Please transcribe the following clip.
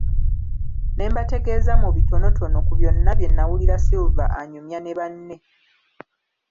Ne mbategeeza mu bitonotono ku byonna bye nawulira Silver anyumya ne banne.